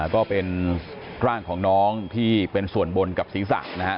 ก็เป็นร่างของน้องที่เป็นส่วนบนกับศิษย์ศักดิ์นะฮะ